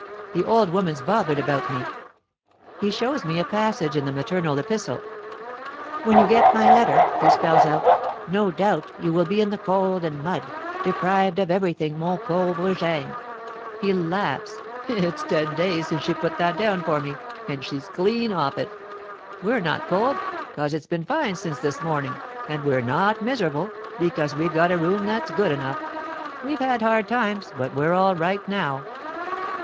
The old woman's bothered about me!" He shows me a passage in the maternal epistle: "'When you get my letter,'" he spells out, "'no doubt you will be in the cold and mud, deprived of everything, mon pauvre Eugene'" He laughs: "It's ten days since she put that down for me, and she's clean off it. We're not cold, 'cos it's been fine since this morning; and we're not miserable, because we've got a room that's good enough. We've had hard times, but we're all right now."